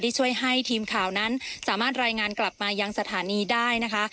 ช่วยให้ทีมข่าวนั้นสามารถรายงานกลับมายังสถานีได้นะคะ